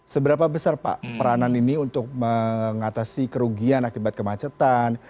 seberapa besar pak peranan ini untuk mengatasi kerugian akibat kemacetan